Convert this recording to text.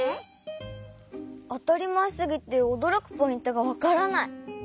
あたりまえすぎておどろくポイントがわからない。